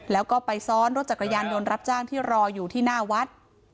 แล้วก็ไปซ้อนรถจักรยานยนต์รับจ้างที่รออยู่ที่หน้าวัด